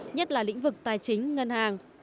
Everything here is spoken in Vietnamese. nhất là lĩnh vực tài chính ngân hàng